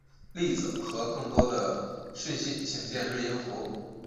例子和更多的讯息请见锐音符。